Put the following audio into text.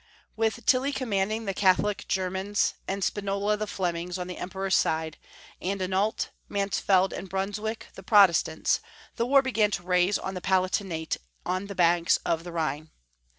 With Tilly commanding the Catholic Germans and Spinola the Flemings on the Emperor's side, and Anhalt, Mansfeld, and Brunswick the Protest ants, the war began to rage on the Palatinate on the banks of the Rliine.